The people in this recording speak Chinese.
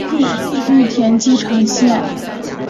羽田机场线